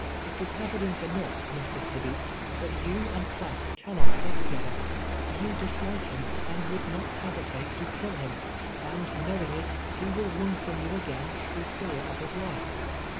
It is evident enough, Mr. Tib eats, that jou and Piatt cannot live together. You dislike hira, and would not hesitate to kill him, and knowing it, he will run from you again tlirough fear of his life.